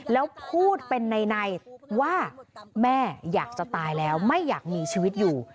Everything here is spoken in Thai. แล้วพูดเป็นในว่าแม่อยากจะตายแล้วไม่อยากมีชีวิตอยู่